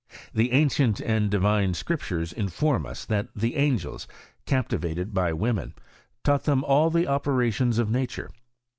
The ancient and divine Scriptures inform us, that the angels, captivated by women, taught them all the operations of nature.